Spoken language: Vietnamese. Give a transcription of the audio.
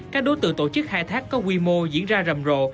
các đối tượng tổ chức khai thác có quy mô diễn ra rầm rộ